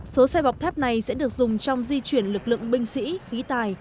số xe bọc thép này sẽ được dùng trong di chuyển lực lượng binh sĩ khí tài